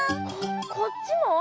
ここっちも？